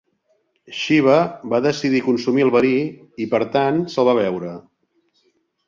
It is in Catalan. Shiva va decidir consumir el verí i, per tant, se'l va beure.